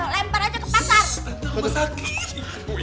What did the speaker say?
lempar aja ke pasar